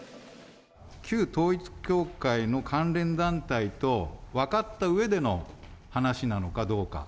旧統一教会の関連団体と分かったうえでの話なのかどうか。